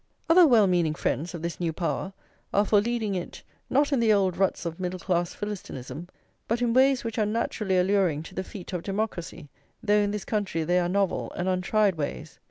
Other well meaning friends of this new power are for leading it, not in the old ruts of middle class Philistinism, but in ways which are naturally alluring to the feet of democracy, though in this country they are novel and untried ways.